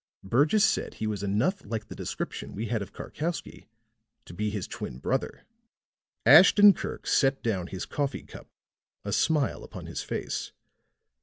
Burgess says he was enough like the description we had of Karkowsky to be his twin brother." Ashton Kirk set down his coffee cup, a smile upon his face.